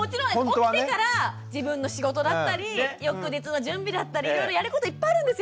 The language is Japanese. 起きてから自分の仕事だったり翌日の準備だったりいろいろやることいっぱいあるんですよ。